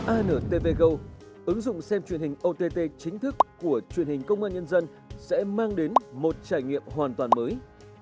antv go ứng dụng xem truyền hình ott chính thức của truyền hình công an nhân dân sẽ mang đến một trải nghiệm hoàn toàn mới